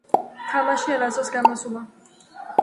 თამაში არასდროს გამოსულა.